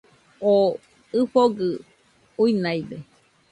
Oo ɨfogɨ uinaide